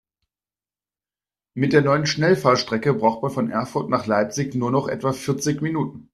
Mit der neuen Schnellfahrstrecke braucht man von Erfurt nach Leipzig nur noch etwa vierzig Minuten